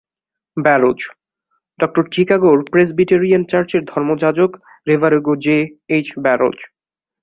Baros, doctor চিকাগোর Presbyterian চার্চের ধর্মযাজক রেভারেণ্ড জে, এইচ ব্যারোজ।